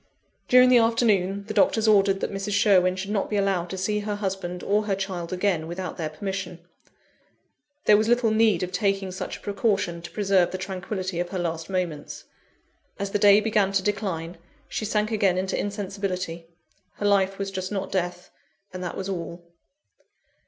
During the afternoon, the doctors ordered that Mrs. Sherwin should not be allowed to see her husband or her child again, without their permission. There was little need of taking such a precaution to preserve the tranquillity of her last moments. As the day began to decline, she sank again into insensibility: her life was just not death, and that was all.